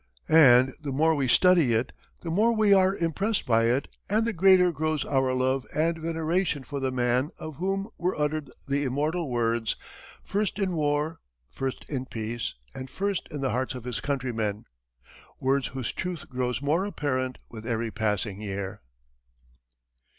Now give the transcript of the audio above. And the more we study it, the more we are impressed by it, and the greater grows our love and veneration for the man of whom were uttered the immortal words, "First in war, first in peace, and first in the hearts of his countrymen" words whose truth grows more apparent with every passing year.